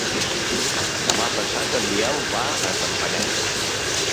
Demà passat en Biel va a Campanet.